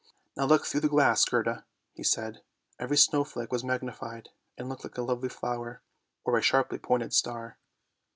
"Now look through the glass, Gerda!" he said; every snow flake was magnified, and looked like a lovely flower, or a sharply pointed star.